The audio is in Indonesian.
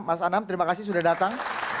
mas anam terima kasih sudah datang